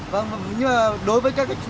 vâng nhưng mà đối với các